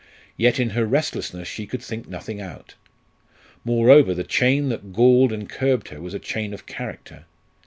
Yet in her restlessness she could think nothing out. Moreover, the chain that galled and curbed her was a chain of character.